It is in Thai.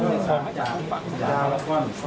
สอบให้จากฝั่งจากแล้วก็พอพอพอว่าให้ไปสั่งสำเต็มค่ะ